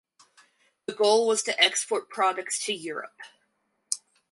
The goal was to export products to Europe.